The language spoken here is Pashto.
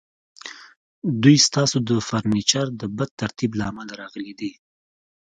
دوی ستاسو د فرنیچر د بد ترتیب له امله راغلي دي